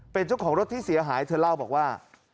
เป็นเจ้าของรถที่เสียหายเธอเล่าบอกว่า